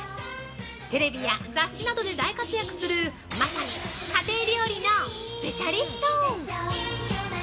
テレビや雑誌などで大活躍するまさに家庭料理のスペシャリスト。